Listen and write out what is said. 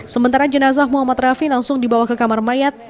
sementara jenazah muhammad rafi langsung dibawa ke kamar mayat